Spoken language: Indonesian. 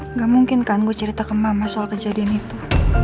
nggak mungkin kan gue cerita ke mama soal kejadian itu